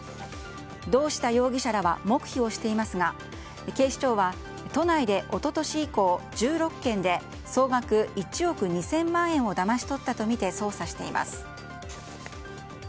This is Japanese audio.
堂下容疑者らは黙秘をしていますが警視庁は都内で一昨年以降１６件で総額１億２０００万円をだまし取ったとみて捜査しています。